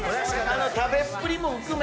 あの食べっぷりも含め。